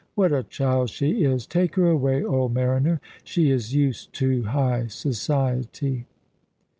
What a child she is! Take her away, old mariner. She is used to high society."